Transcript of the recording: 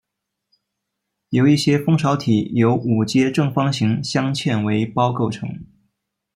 有一些蜂巢体由五阶正方形镶嵌为胞构成